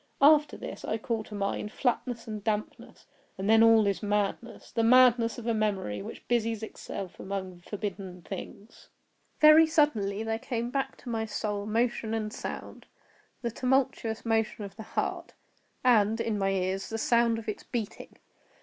After this I call to mind flatness and dampness; and then all is madness—the madness of a memory which busies itself among forbidden things. Very suddenly there came back to my soul motion and sound—the tumultuous motion of the heart, and, in my ears, the sound of its beating.